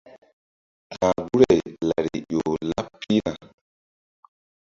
Ka̧h guri-ay lari ƴo laɓ pihna.